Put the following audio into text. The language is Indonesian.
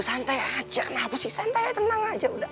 santai aja kenapa sih santai tenang aja udah